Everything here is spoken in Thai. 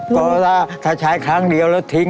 ก็ถ้าใช้ครั้งเดียวแล้วทิ้ง